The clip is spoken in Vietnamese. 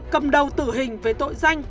cầm đầu tử hình về tội danh